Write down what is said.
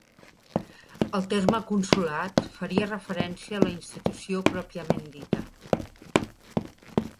El terme consolat faria referència a la institució pròpiament dita.